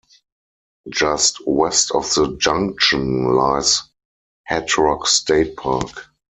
Just west of the junction lies Hat Rock State Park.